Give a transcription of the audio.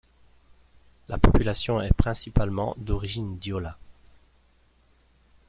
La population est principalement d'origine diola.